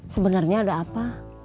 sebenarnya ada apa